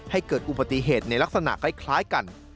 เกิดอุบัติเหตุในลักษณะคล้ายกัน